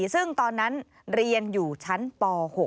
ซึ่งตอนนั้นเรียนอยู่ชั้นป๖